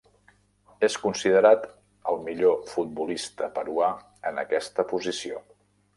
És considerat el millor futbolista peruà en aquesta posició.